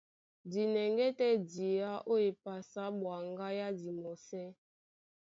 Di nɛŋgɛ́ tɛ́ diá ó epasi á ɓwaŋgá yá dimɔsɛ́.